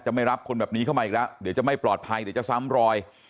ไม่รับคนแบบนี้เข้ามาอีกแล้วเดี๋ยวจะไม่ปลอดภัยเดี๋ยวจะซ้ำรอย